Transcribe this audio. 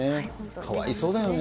かわいそうだよね。